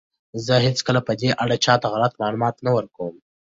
زه هیڅکله په دې اړه چاته غلط معلومات نه ورکوم.